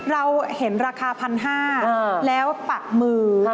เราเห็นราคา๑๕๐๐บาทแล้วปักมือ